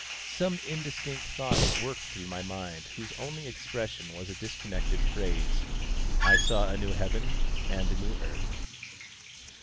Some indistinct thought worked through my mind whose only expression was a disconnected phrase: "I saw a new heaven and a new earth."